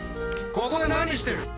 ここで何してる？